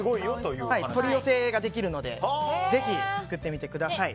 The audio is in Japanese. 取り寄せができるのでぜひ作ってみてください。